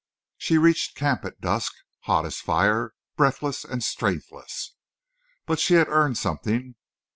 She reached camp at dusk, hot as fire, breathless and strengthless. But she had earned something.